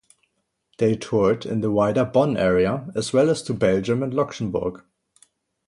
They toured in the wider Bonn area as well as to Belgium and Luxembourg.